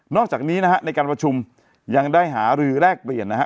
อกจากนี้นะฮะในการประชุมยังได้หารือแลกเปลี่ยนนะฮะ